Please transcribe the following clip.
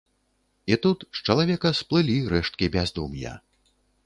І тут з чалавека сплылі рэшткі бяздум'я.